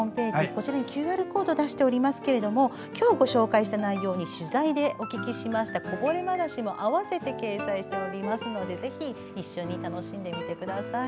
こちらにＱＲコード出していますが今日ご紹介した内容に取材でお聞きしましたこぼれ話も併せて掲載していますのでぜひ一緒に楽しんでみてください。